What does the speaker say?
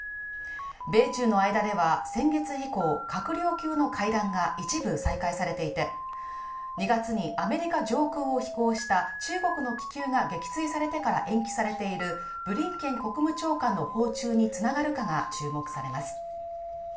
米中の間では、先月以降、閣僚級の会談が一部再開されていて、２月にアメリカ上空を飛行した中国の気球が撃墜されてから延期されているブリンケン国務長官の訪中に繋がるかが注目されます。